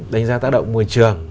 đánh giá tác động môi trường